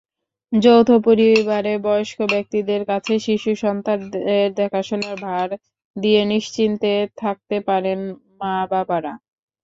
যৌথ পরিবারে বয়স্ক ব্যক্তিদের কাছে শিশুসন্তানদের দেখাশোনার ভার দিয়ে নিশ্চিন্তে থাকতে পারেন মা-বাবারা।